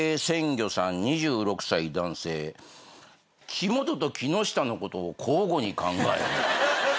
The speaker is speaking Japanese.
木本と木下の事を交互に考える。